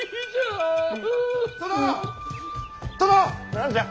何じゃ？